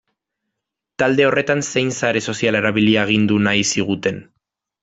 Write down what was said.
Talde horretan zein sare sozial erabili agindu nahi ziguten.